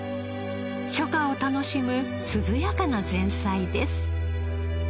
初夏を楽しむ涼やかな前菜です。